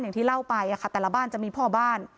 อย่างที่เล่าไปแต่ละบ้านจะมีพ่อบ้าน